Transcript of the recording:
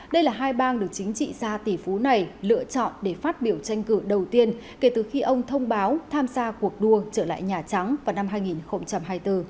đây là hai bang được chính trị gia tỷ phú này lựa chọn để phát biểu tranh cử đầu tiên kể từ khi ông thông báo tham gia cuộc đua trở lại nhà trắng vào năm hai nghìn hai mươi bốn